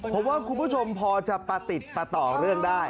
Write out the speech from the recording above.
ผมว่าคุณผู้ชมพอจะประติดประต่อเรื่องได้